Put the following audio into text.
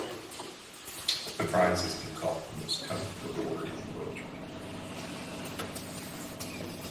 The Prize has been called "the most coveted award in poetry".